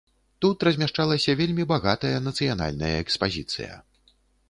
Тут размяшчалася вельмі багатая нацыянальная экспазіцыя.